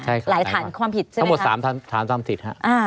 ใช่ค่ะหลายฐานความผิดใช่ไหมคะทั้งหมดสามศิลป์ค่ะ